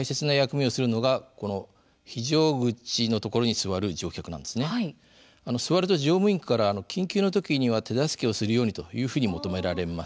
座ると乗務員から緊急の時には手助けをするようにというふうに求められます。